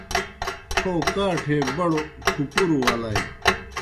تھو کاٹھے بڑوْ پُھپُروْ ولائے۔